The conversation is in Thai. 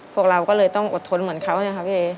พวกเราก็เลยต้องอดทนเหมือนเขาเนี่ยค่ะพี่เอ